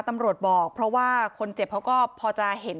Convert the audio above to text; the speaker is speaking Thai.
ตำรวจบอกเพราะว่าคนเจ็บเขาก็พอจะเห็น